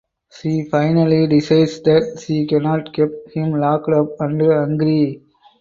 She finally decides that she cannot keep him locked up and hungry.